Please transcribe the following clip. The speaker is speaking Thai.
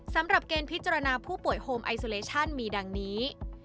สำหรับเกณฑ์พิจารณาผู้ป่วยโฮมไอซูเลชั่นมีดังนี้